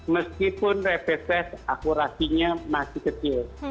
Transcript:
meskipun rapid test akurasinya masih kecil